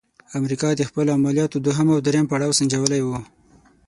امریکا د خپلو عملیاتو دوهم او دریم پړاو سنجولی وو.